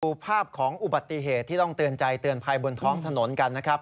ดูภาพของอุบัติเหตุที่ต้องเตือนใจเตือนภัยบนท้องถนนกันนะครับ